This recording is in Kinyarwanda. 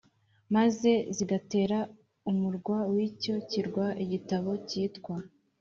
maze zigatera umurwa w icyo kirwa Igitabo cyitwa